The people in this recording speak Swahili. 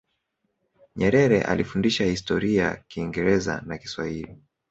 nyerere alifundisha historia kingereza na kiswahili